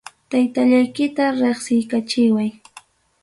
Taytallaykita reqsiykachiway.